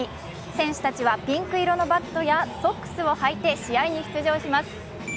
選手たちはピンク色のバットやソックスをはいて試合に出場します。